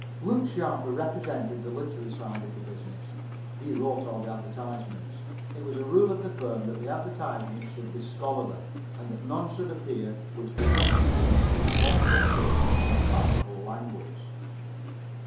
Luke Sharper represented the literary side of the business. He wrote all the advertisements. It was a rule of the firm that the advertisements should be [Pg 13]scholarly, and that none should appear which did not contain at least one quotation from a classical language.